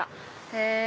へぇ！